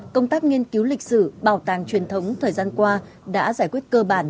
công tác nghiên cứu lịch sử bảo tàng truyền thống thời gian qua đã giải quyết cơ bản